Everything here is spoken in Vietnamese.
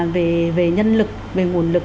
về nhân lực về nguồn lực